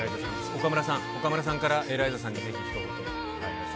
岡村さん、岡村さんからエライザさんにぜひひと言。